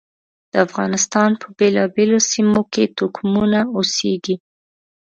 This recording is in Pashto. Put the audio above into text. د افغانستان په بېلابېلو سیمو کې توکمونه اوسېږي.